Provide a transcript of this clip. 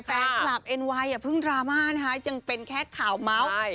แฟนคลับเอ็นไวอย่าเพิ่งดราม่านะคะยังเป็นแค่ข่าวเมาส์